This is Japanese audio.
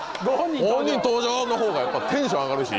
「本人登場！」のほうがやっぱテンション上がるし。